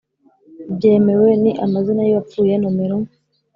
byemewe ni amazina y uwapfuye nomero